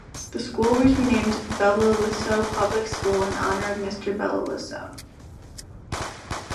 The school was renamed "Belilios Public School" in honour of Mr. Belilios.